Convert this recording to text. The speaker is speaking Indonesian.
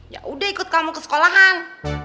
ya udah ikut kamu ke sekolahan